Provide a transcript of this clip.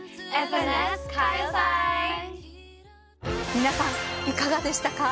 皆さんいかがでしたか？